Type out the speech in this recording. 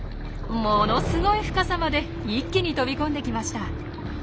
ものすごい深さまで一気に飛び込んできました。